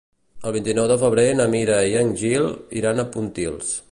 El vint-i-nou de febrer na Mira i en Gil iran a Pontils.